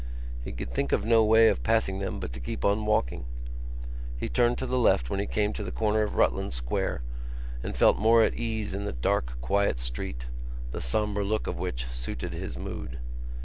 He could think of no way of passing them but to keep on walking. He turned to the left when he came to the corner of Rutland Square and felt more at ease in the dark quiet street, the sombre look of which suited his mood.